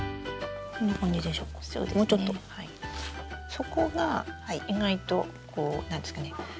底が意外とこう何ていうんですかね